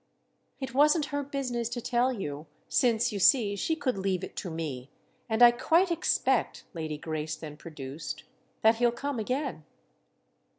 "It wasn't her business to tell you—since, you see, she could leave it to me. And I quite expect," Lady Grace then produced, "that he'll come again."